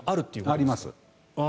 あります。